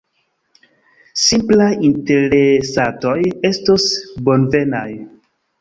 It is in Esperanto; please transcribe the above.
Simplaj interesatoj estos bonvenaj.